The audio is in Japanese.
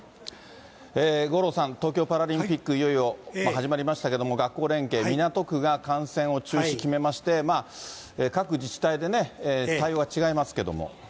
五郎さん、東京パラリンピック、いよいよ始まりましたけれども、学校連携、港区が観戦を中止決めまして、各自治体でね、対応が違いますけども。